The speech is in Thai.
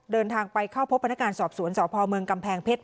เดินทางไปเข้าพบพนักงานสอบสวนสพเมืองกำแพงเพชร